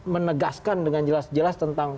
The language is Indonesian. menegaskan dengan jelas jelas tentang